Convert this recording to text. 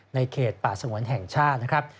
เขตป่าสงวนแห่งชาตินะครับ